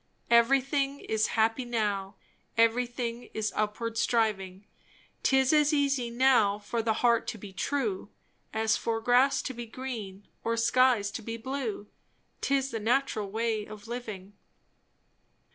"Everything is happy now; Everything is upward striving; 'Tis as easy now for the heart to be true, As for grass to be green or skies to be blue; 'Tis the natural way of living!"